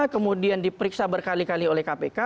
kemudian diperiksa berkali kali oleh kpk